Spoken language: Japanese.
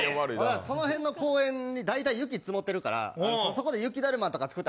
その辺の公園に大体雪が積もってるから雪だるまとか作ったら。